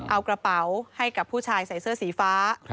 เอากระเป๋าให้กับผู้ชายใส่เสื้อสีฟ้า